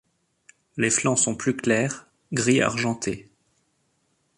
Les flancs sont plus clairs, gris argenté.